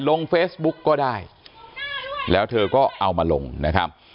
ลงเฟซบุ๊กก็ได้แล้วเธอก็เอามาลงนะครับ